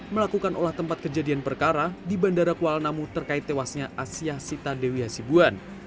melakukan olah tempat kejadian perkara di bandara kuala namu terkait tewasnya asyah sita dewi hasibuan